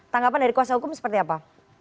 tanggapan dari kuasa hukum seperti apa